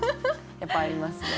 やっぱありますね。